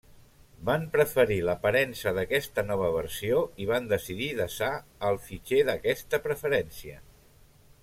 Van preferir l'aparença d'aquesta nova versió i van decidir desar el fitxer d'aquesta preferència.